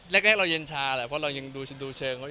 แล้วทำให้เราหลุดถึง